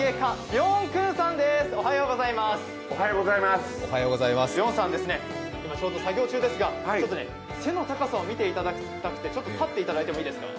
ビョーンさん、作業中ですが背の高さを見ていただきたくてちょっと立っていただいてもいいですか？